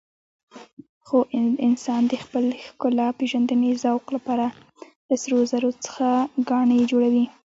خو انسان د خپل ښکلاپېژندنې ذوق لپاره له سرو زرو څخه ګاڼې جوړوي.